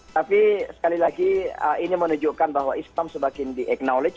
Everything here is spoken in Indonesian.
tapi sekali lagi ini menunjukkan bahwa islam semakin di knowledge